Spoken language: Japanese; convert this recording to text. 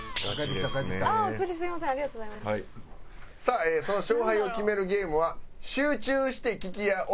さあその勝敗を決めるゲームは集中して聞きや音だけクッキング！